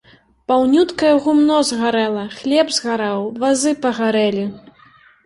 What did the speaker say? Паўнюткае гумно згарэла, хлеб згарэў, вазы пагарэлі.